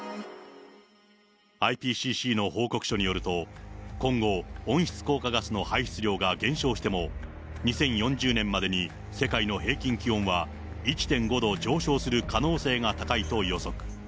ＩＰＣＣの報告書によると、今後、温室効果ガスの排出量が減少しても、２０４０年までに世界の平均気温は、１．５度上昇する可能性が高いと予測。